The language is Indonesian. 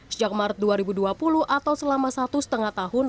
sejak maret dua ribu dua puluh atau selama satu setengah tahun